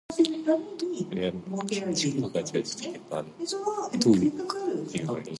Frazee eagerly capitalized on this success, but Broadway was not his first priority.